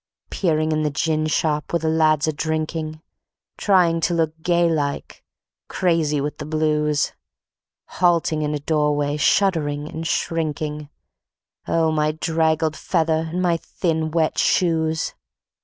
Peering in the gin shop where the lads are drinking, Trying to look gay like, crazy with the blues; Halting in a doorway, shuddering and shrinking (Oh, my draggled feather and my thin, wet shoes).